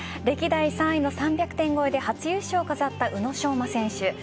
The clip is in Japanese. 歴代３位の３００点超えで初優勝を飾った宇野昌磨選手。